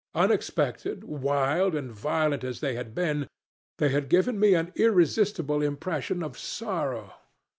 Unexpected, wild, and violent as they had been, they had given me an irresistible impression of sorrow.